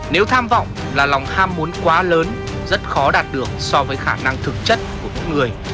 nếu tham vọng là lòng ham muốn quá lớn rất khó đạt được so với khả năng thực chất của mỗi người